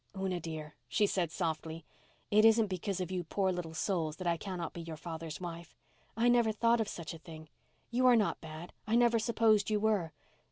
"Una, dear," she said softly. "It isn't because of you poor little souls that I cannot be your father's wife. I never thought of such a thing. You are not bad—I never supposed you were.